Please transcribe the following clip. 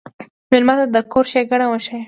مېلمه ته د کور ښيګڼه وښیه.